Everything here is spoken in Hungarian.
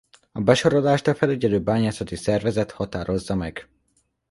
A besorolást a felügyelő bányászati szervezet határozza meg.